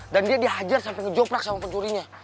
dan dia dihajar sampe ngejoprak sama pencurinya